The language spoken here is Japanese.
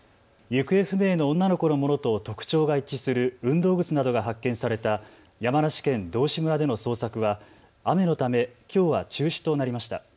行方不明の女の子のものと特徴が一致する運動靴などが発見された山梨県道志村での捜索は雨のためきょうは中止となりました。